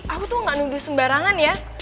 aku tuh gak nuduh sembarangan ya